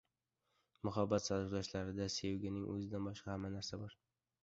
Muhabbat sarguzashtlarida sevgining o‘zidan boshqa hamma narsa bor.